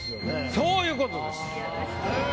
そういうことです。